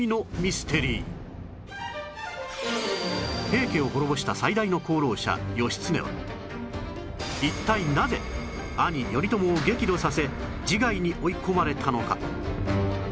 平家を滅ぼした最大の功労者義経は一体なぜ兄頼朝を激怒させ自害に追い込まれたのか？